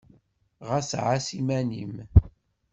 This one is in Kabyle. Ɣas ɛass iman-nnem!